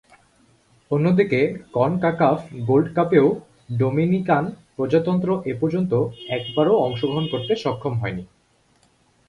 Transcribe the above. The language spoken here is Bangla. অন্যদিকে, কনকাকাফ গোল্ড কাপেও ডোমিনিকান প্রজাতন্ত্র এপর্যন্ত একবারও অংশগ্রহণ করতে সক্ষম হয়নি।